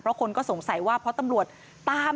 เพราะคนก็สงสัยว่าเพราะตำรวจตาม